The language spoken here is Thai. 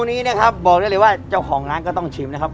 เลยเน่นะคะบอกได้เลยว่าเจ้าของของร้านก็ต้องชิมนะครับ